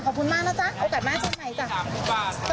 ขอบคุณมากแล้วจ้ะโอกาสมาเชิญใหม่จ้ะ